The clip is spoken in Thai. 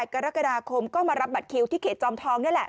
กรกฎาคมก็มารับบัตรคิวที่เขตจอมทองนี่แหละ